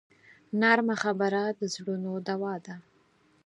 نرمه خبره د زړونو دوا ده